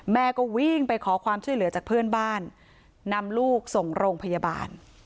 แม่ก็วิ่งไปขอความช่วยเหลือจากเพื่อนบ้านนำลูกส่งโรงพยาบาล